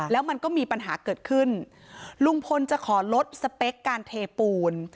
แล้วมันก็มีปัญหาเกิดขึ้นลุงพลจะขอลดสเปคการเทปูน